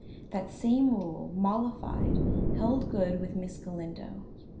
The same rule, mollified, held good with Miss Galindo.